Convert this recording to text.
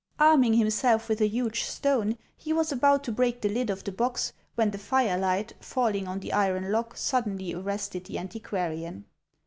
Arming himself with a huge stone, he was about to break the lid of the box, when the firelight, falling on the iron lock, suddenly arrested the antiquarian.